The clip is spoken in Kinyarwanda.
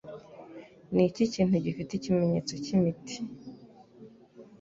Niki kintu gifite ikimenyetso cyimiti